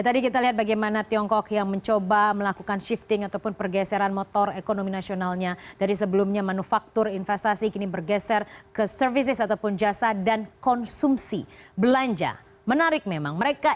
di pasar siapa yang mereka